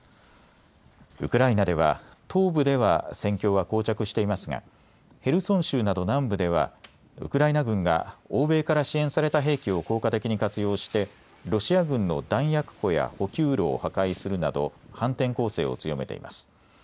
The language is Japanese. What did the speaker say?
ウクライナでは、東部では戦況はこう着していますがヘルソン州など南部ではウクライナ軍が欧米から支援された兵器を効果的に活用してロシア軍の弾薬庫や補給路を破壊するなど反転攻勢を強めています。